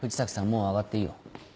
もう上がっていいよ。